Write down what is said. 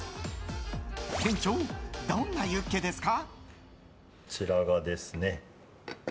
店長、どんなユッケですか？